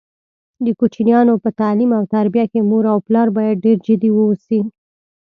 د کوچینیانو په تعلیم او تربیه کې مور او پلار باید ډېر جدي اوسي.